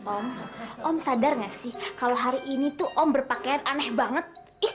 om om sadar gak sih kalau hari ini tuh om berpakaian aneh banget